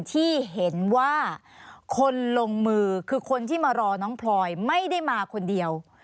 ที่เห็นว่าคนลงมือคือคนที่มารอน้องพลอยไม่ได้มาคนเดียว